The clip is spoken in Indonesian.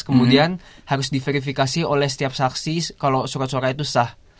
kemudian harus diverifikasi oleh setiap saksi kalau surat suara itu sah